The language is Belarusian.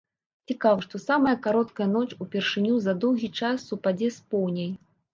Цікава, што самая кароткая ноч упершыню за доўгі час супадзе з поўняй.